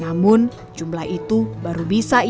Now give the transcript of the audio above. namun jumlah itu baru bisa ia